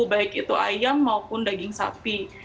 baik itu ayam maupun daging sapi